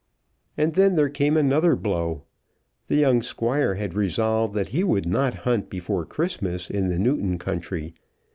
And then there came another blow. The young Squire had resolved that he would not hunt before Christmas in the Newton country.